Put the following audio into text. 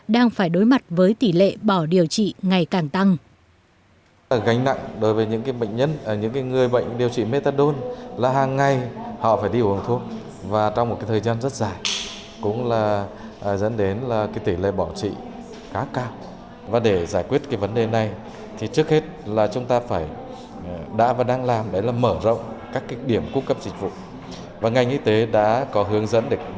đang phải đối mặt với tỷ lệ bỏ điều trị ngày càng tăng